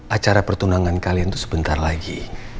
acara pertunangan kalian itu sebentar lagi